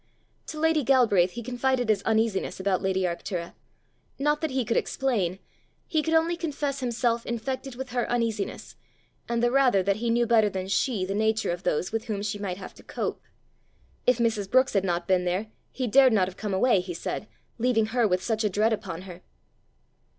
To lady Galbraith he confided his uneasiness about lady Arctura not that he could explain he could only confess himself infected with her uneasiness, and the rather that he knew better than she the nature of those with whom she might have to cope. If Mrs. Brookes had not been there, he dared not have come away, he said, leaving her with such a dread upon her.